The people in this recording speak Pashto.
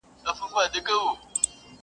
پاچاهان یې هم خوري غوښي د خپلوانو!